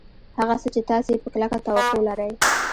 هغه څه چې تاسې یې په کلکه توقع لرئ